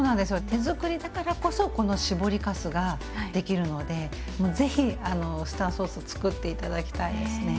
手づくりだからこそこの搾りかすができるのでぜひウスターソースつくって頂きたいですね。